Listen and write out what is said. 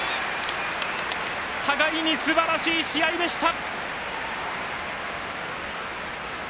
互いにすばらしい試合でした。